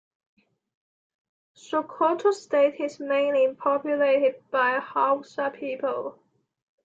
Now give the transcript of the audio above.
Sokoto State is mainly populated by Hausa people.